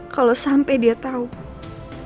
kalau sampai dia ngetes reina dan roy